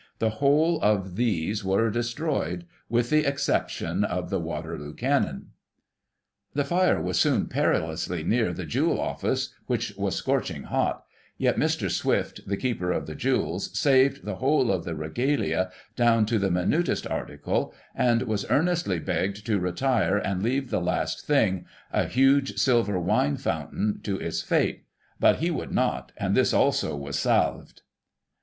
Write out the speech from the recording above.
The whole of these were destroyed, with the exception of the Waterloo cannon.*' The fire was soon perilously near to the Jewel Office, which was scorching hot — ^yet Mr. Swifte, the keeper of the jewels, saved the whole of the Regalia, down to the minutest article, and was earnestly begged to retire and leave the last thing, a huge silver wine fountain, to its fate, but he would not, and this, also, was salved.